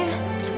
bu makasih ya